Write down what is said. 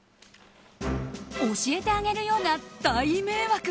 教えてあげるよ！が大迷惑。